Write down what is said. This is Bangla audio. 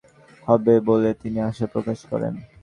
দ্রুত আসামিদের গ্রেপ্তার করা সম্ভব হবে বলে তিনি আশা প্রকাশ করেন।